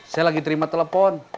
saya lagi terima telepon